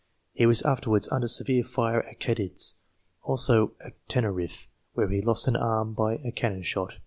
He was afterwards under severe fire at Cadiz, also at TenerifTe where he lost an arm by a cannon shot.